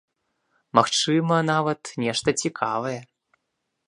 Магчыма, нават, нешта цікавае.